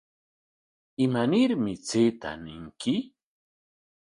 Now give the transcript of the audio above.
¿Imanarmi chayta ñinki?